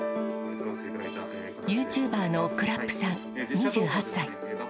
ユーチューバーのくらっＰさん２８歳。